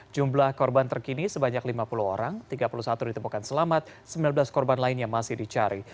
jumlah korban terkini sebanyak lima puluh orang tiga puluh satu ditemukan selamat sembilan belas korban lainnya masih dicari